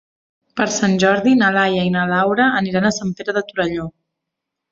Per Sant Jordi na Laia i na Laura aniran a Sant Pere de Torelló.